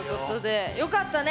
よかったね。